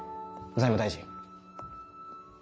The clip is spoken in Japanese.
財務大臣。